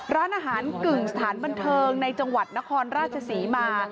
ร้านอาหารกึ่งสถานบันเทิงในจังหวัดนครราชศรีมา